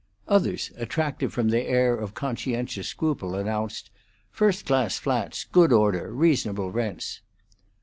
Others, attractive from their air of conscientious scruple, announced "first class flats; good order; reasonable rents."